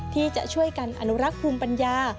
ที่จะช่วยกันอนุรักษ์ภูมิปัญญา